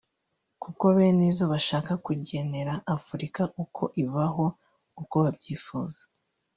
kuko bene zo bashaka kugenera Afurika uko ibaho uko babyifuza